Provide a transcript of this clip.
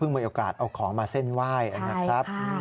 เพิ่งมีโอกาสเอาของมาเส้นไหว้ใช่ค่ะ